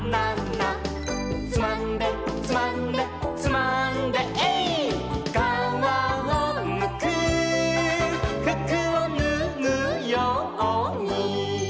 「つまんでつまんでつまんでえいっ」「かわをむくふくをぬぐように」